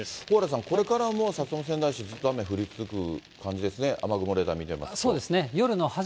蓬莱さん、これからも薩摩川内市、ずっと雨が降り続く感じですね、雨雲レーダー見てみますと。